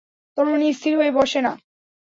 তরুণী স্থির হয়ে বসে না।